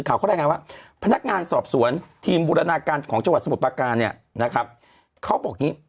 เขาบอกอย่างนี้